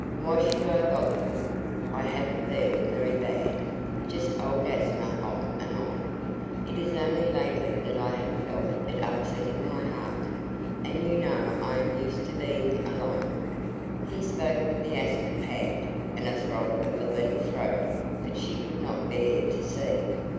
"Why should I bother you? I haven't been very bad just the old asthma off and on. It is only lately that I have felt it upsetting my heart. And you know I am used to being alone." He spoke with the asthma pant, and a throb of the lean throat that she could not bear to see.